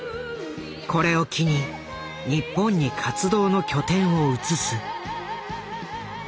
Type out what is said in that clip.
これを機に日本に活動の拠点を移す。